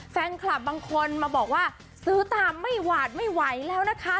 แฟนคลับบางคนมาบอกว่าซื้อตามไม่หวาดไม่ไหวแล้วนะคะ